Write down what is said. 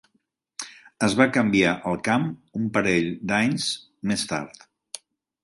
Es va canviar al camp un parell d'anys més tard.